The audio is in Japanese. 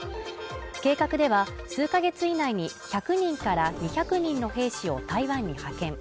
計画では数ヶ月以内に１００人から２００人の兵士を台湾に派遣。